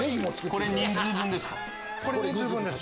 これ人数分です。